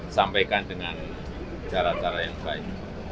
sampaikan dengan cara cara yang baik